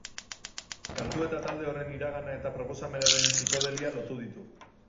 Kantu eta talde horren iragana eta proposamenaren psikodelia lotu ditu.